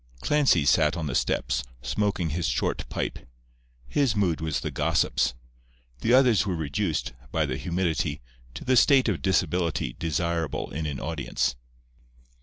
Clancy sat on the steps, smoking his short pipe. His mood was the gossip's; the others were reduced, by the humidity, to the state of disability desirable in an audience.